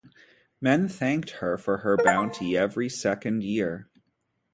Men thanked her for her bounty every second year.